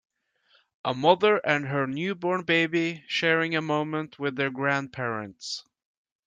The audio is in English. A mother and her newborn baby sharing a moment with their grandparents.